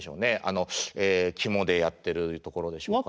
肝でやってるところでしょうかね。